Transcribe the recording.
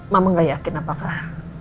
mama gak yakin apakah